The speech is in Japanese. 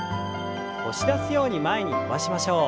押し出すように前に伸ばしましょう。